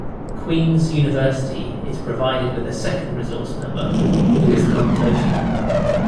Queen's University is provided with a second resource member who is non-voting.